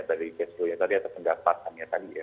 dari cash flow ya tadi atau pendapatannya tadi ya